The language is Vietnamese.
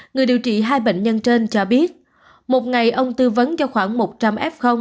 người điều trị hai bệnh nhân trên cho biết một ngày ông tư vấn cho khoảng một trăm linh f